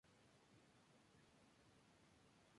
Medina pudo sostenerse por poco tiempo.